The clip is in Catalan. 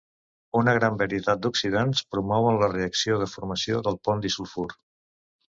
Una gran varietat d'oxidants promouen la reacció de formació del pont disulfur.